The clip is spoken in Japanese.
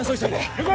・了解！